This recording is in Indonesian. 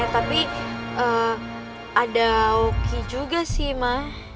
tapi ada oki juga sih ma